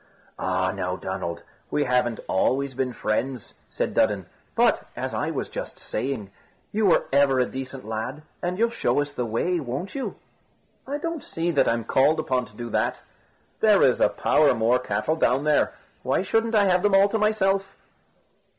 "Ah, now, Donald, we haven't always been friends," said Dudden, "but, as I was just saying, you were ever a decent lad, and you'll show us the way, won't you?" "I don't see that I'm called upon to do that; there is a power more cattle down there. Why shouldn't I have them all to myself?"